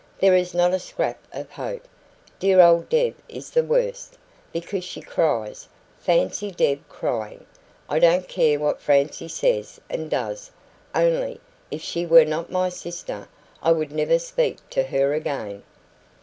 There is not a scrap of hope. Dear old Deb is the worst, because she cries fancy DEB crying! I don't care what Francie says and does, only, if she were not my sister, I would never speak to her again.